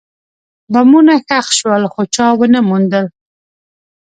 بمونه ښخ شول، خو چا ونه موندل.